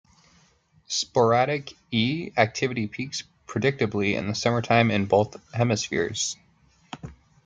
Sporadic E activity peaks predictably in the summertime in both hemispheres.